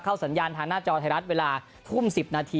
เข้าสัญญาณทางหน้าจอไทยรัฐเวลา๒๐๑๐น